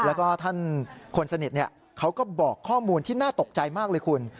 แล้วก็ท่านคนสนิทเขาก็บอกข้อมูลที่น่าตกใจมากเลยคุณ